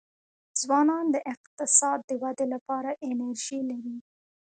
ځوانان د اقتصاد د ودي لپاره انرژي لري.